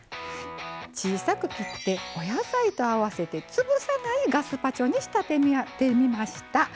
小さく切ってお野菜と合わせて潰さないガスパチョに仕立ててみました。